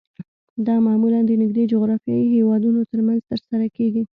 دا معمولاً د نږدې جغرافیایي هیوادونو ترمنځ ترسره کیږي